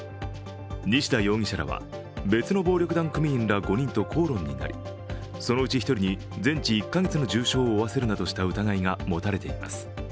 西田容疑者らは別の暴力団組員ら５人と口論となり、そのうち１人に全治１か月の重傷を負わせるなどした疑いが持たれています